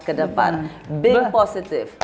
ke depan being positive